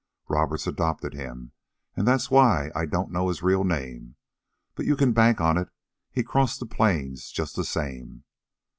Roberts adopted him, and that's why I don't know his real name. But you can bank on it, he crossed the plains just the same."